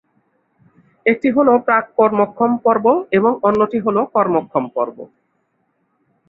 একটি হল প্রাক কর্মক্ষম পর্ব এবং অন্যটি হল কর্মক্ষম পর্ব।